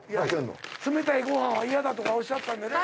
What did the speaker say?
「冷たいご飯は嫌だ」とかおっしゃってたんでね